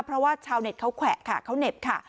เพราะว่าชาวเน็ตเขาแขวะค่ะเขาเหน็บค่ะ